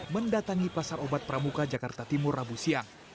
mendatangi pasar obat pramuka jakarta timur rabu siang